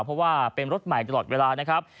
เพราะว่าเป็นรถใหม่ตลอดเวลานะครับ